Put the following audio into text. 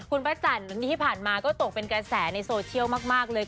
ครับคุณปั้นจรรย์นี้ที่ผ่านมาก็ตกเป็นกระแสในโซเชียลมากเลย